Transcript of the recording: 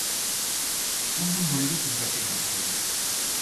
துங்கும் பொழுது துன்பத்தை மறக்கலாம்.